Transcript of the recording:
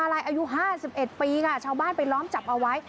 อายุ๕๑ปีค่ะชาวบ้านไปล้อมจับเอาไว้